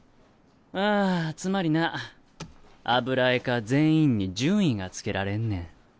ああつまりな油絵科全員に順位が付けられんねん。